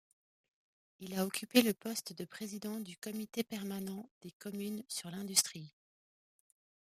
Il a occupé le poste de président du Comité permanent des Communes sur l'industrie.